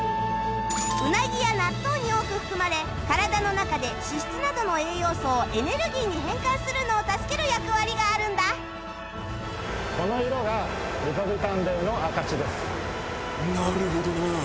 ウナギや納豆に多く含まれ体の中で脂質などの栄養素をエネルギーに変換するのを助ける役割があるんだ面白かった！